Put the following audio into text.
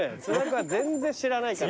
全然知らないから。